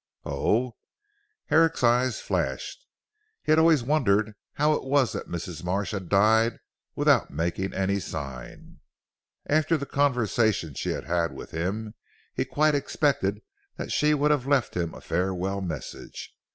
"Oh!" Herrick's eyes flashed. He had always wondered how it was that Mrs. Marsh had died without making any sign. After the conversation she had had with him he quite expected that she would have left him a farewell message.